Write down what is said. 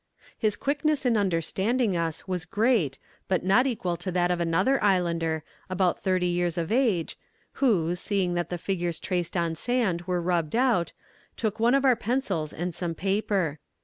"His quickness in understanding us was great, but not equal to that of another islander, about thirty years of age, who, seeing that the figures traced on sand were rubbed out, took one of our pencils and some paper.